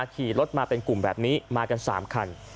ขี่รถมาเป็นกลุ่มแบบนี้มากัน๓คัน